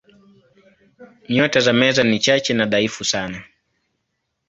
Nyota za Meza ni chache na dhaifu sana.